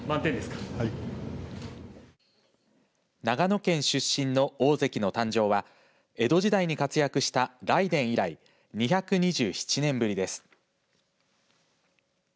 長野県出身の大関の誕生は江戸時代に活躍した雷電以来２２７年ぶりです。